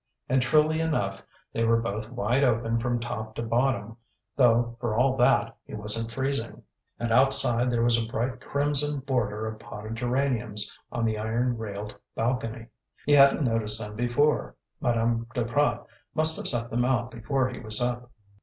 And truly enough, they were both wide open from top to bottom; though, for all that, he wasn't freezing. And outside there was a bright crimson border of potted geraniums on the iron railed balcony. He hadn't noticed them before; Madame Duprat must have set them out before he was up.